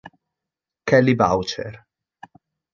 Kelly Boucher